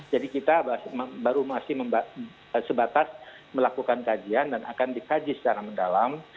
jadi kita baru masih sebatas melakukan kajian dan akan dikaji secara mendalam